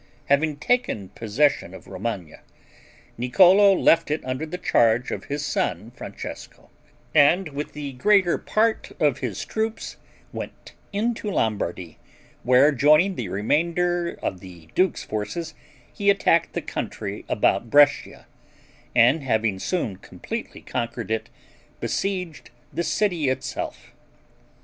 Having taken possession of Romagna, Niccolo left it under the charge of his son, Francesco, and with the greater part of his troops, went into Lombardy, where joining the remainder of the duke's forces, he attacked the country about Brescia, and having soon completely conquered it, besieged the city itself.